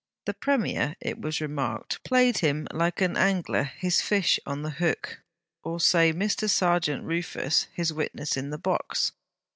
The Premier, it was remarked, played him like an angler his fish on the hook; or say, Mr. Serjeant Rufus his witness in the box.